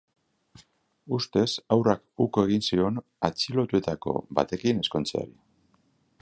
Ustez, haurrak uko egin zion atxilotuetako batekin ezkontzeari.